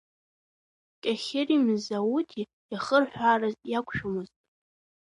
Кьахьыри Мзауҭи иахырҳәаарыз иақәшәомызт.